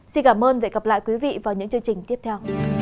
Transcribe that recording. xin cảm ơn và hẹn gặp lại quý vị vào những chương trình tiếp theo